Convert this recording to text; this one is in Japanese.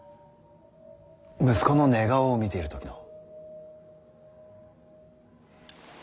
息子の寝顔を見ている時の。